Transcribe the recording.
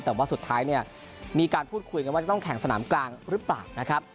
แต่ว่าสุดท้ายเนี่ยมีการพูดคุยกันว่าจะต้องแข่งสนามกลางหรือเปล่านะครับ